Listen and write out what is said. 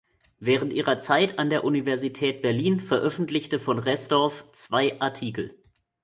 Während ihrer Zeit an der Universität Berlin veröffentlichte von Restorff zwei Artikel.